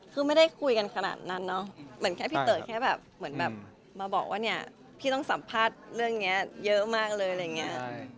คือไม่ได้คุยกันขนาดนั้นเนาะเหมือนแค่พี่เต๋อแค่แบบเหมือนแบบมาบอกว่าเนี่ยพี่ต้องสัมภาษณ์เรื่องนี้เยอะมากเลยอะไรอย่างนี้